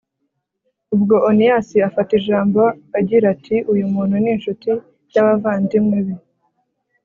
ubwo oniyasi afata ijambo, agira ati uyu muntu ni incuti y'abavandimwe be